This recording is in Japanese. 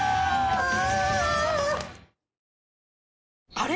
あれ？